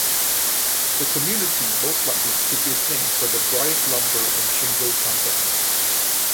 The community most likely took its name from the Bryant Lumber and Shingle Company.